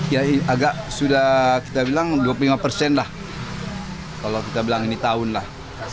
ya agak sudah kita bilang dua puluh lima persen lah kalau kita bilang ini tahun lah